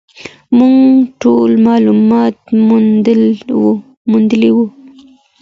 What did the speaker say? موږ ټول معلومات موندلي وو.